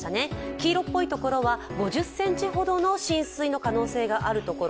黄色っぽいところは５０ｃｍほどの浸水の可能性があるところ。